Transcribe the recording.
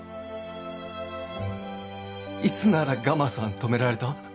いつならガマさん止められた？